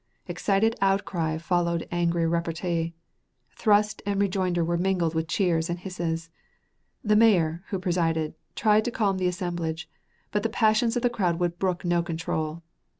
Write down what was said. Excited outcry followed angry repartee. Thrust and rejoinder were mingled with cheers and hisses. The mayor, who presided, tried to calm the assemblage, but the passions of the crowd would brook no control.